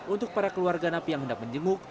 untuk para keluarga napi yang hendak menjenguk